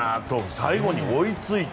最後、追いついて。